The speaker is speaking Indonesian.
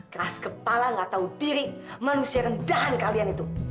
keras kepala nggak tahu diri manusia rendahan kalian itu